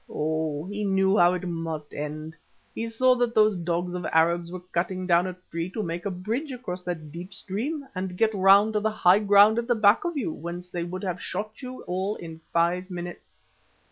Oh! he knew how it must end. He saw that those dogs of Arabs were cutting down a tree to make a bridge across that deep stream and get round to the high ground at the back of you, whence they would have shot you all in five minutes.